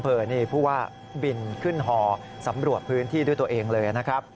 ผู้ว่าบินขึ้นฮอสำรวจพื้นที่ด้วยตัวเองเลยนะครับ